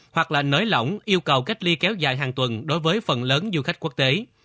hoặc là nới lỏng yêu cầu cách ly kéo dài hàng tuần đối với phần lớn du khách quốc tế